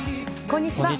こんにちは。